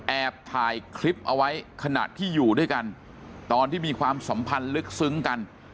แอบถ่ายคลิปเอาไว้ขณะที่อยู่ด้วยกันตอนที่มีความสัมพันธ์ลึกซึ้งกัน